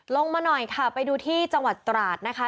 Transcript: ลงมาหน่อยค่ะไปดูที่จังหวัดตราดนะคะ